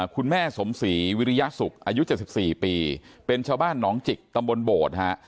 คุณแม่สมศรีวิริยสุขอายุ๗๔ปีเป็นชาวบ้านหนองจิกตำบลโบดฮะ